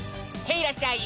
いらっしゃい！